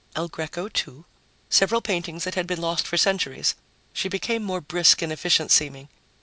"El Greco, too. Several paintings that had been lost for centuries." She became more brisk and efficient seeming.